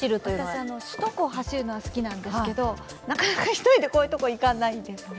私、首都高を走るのは好きなんですが、なかなか１人でこういう所には行かないですね。